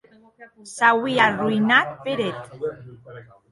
S’auie arroïnat per eth.